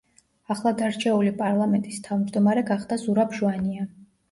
ახლადარჩეული პარლამენტის თავმჯდომარე გახდა ზურაბ ჟვანია.